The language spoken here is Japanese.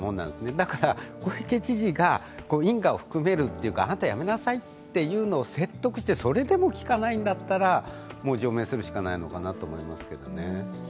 だから小池知事が因果を含めるというか、あなた、やめなさいというのを説得してそれでも聞かないんだったら除名するしかないのかなと思いますね。